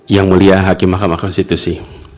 yang mulia hakim mahkamah konstitusi